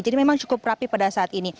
jadi memang cukup rapi pada saat ini